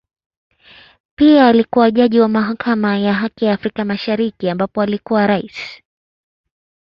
Pia alikua jaji wa Mahakama ya Haki ya Afrika Mashariki ambapo alikuwa Rais.